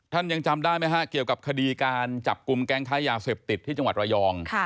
ยังจำได้ไหมฮะเกี่ยวกับคดีการจับกลุ่มแก๊งค้ายาเสพติดที่จังหวัดระยอง